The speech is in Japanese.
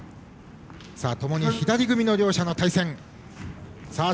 ともに左組みの両者の対戦。